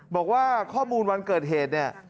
บอกว่าข้อมูลวันเกิดเหตุเนี่ย